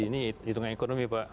ini hitung ekonomi pak